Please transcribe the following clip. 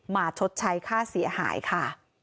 ชดใช้ค่าเสียหายค่ะ